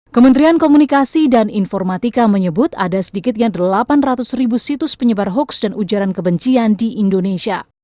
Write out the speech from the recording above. kementerian komunikasi dan informatika menyebut ada sedikitnya delapan ratus ribu situs penyebar hoax dan ujaran kebencian di indonesia